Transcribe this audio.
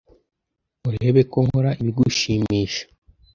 urebe ko nkora ibigushimisha